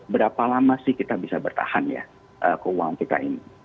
berapa lama sih kita bisa bertahan ya keuangan kita ini